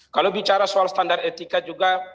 kalau bicara soal standar etika juga